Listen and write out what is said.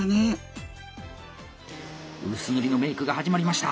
薄塗りのメイクが始まりました。